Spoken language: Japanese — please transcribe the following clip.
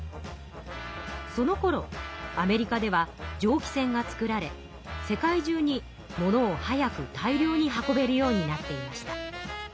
そのころアメリカではじょう気船が造られ世界じゅうに物を早く大量に運べるようになっていました。